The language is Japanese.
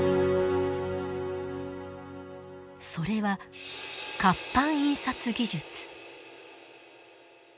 それは活版印刷技術。